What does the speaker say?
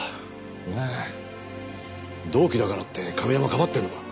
お前同期だからって亀山かばってるのか？